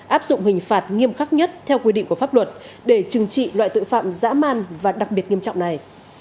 áp dụng hình phạt nghiêm khắc nhất theo quy định của pháp luật để trừng trị loại tội phạm dã man và đặc biệt nghiêm trọng này